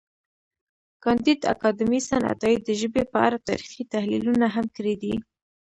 کانديد اکاډميسن عطایي د ژبې په اړه تاریخي تحلیلونه هم کړي دي.